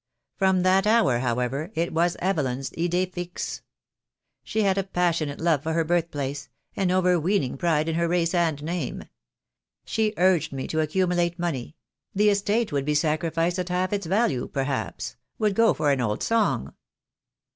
From that hour, however, it was Evelyn's idee fixe. She had a passionate love for her birthplace, an overweening pride in her race and name. She urged me to accumulate money — the estate would be sacrificed at half its value, perhaps, — would go for an old song.